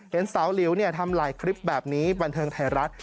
เห็นสาวหลิวทำลายคลิปแบบนี้บันเทิงไทยรัฐ